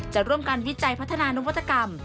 จะร่วมกันวิจัยพัฒนานวัตกรรม